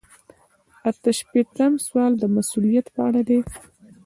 اته شپیتم سوال د مسؤلیت په اړه دی.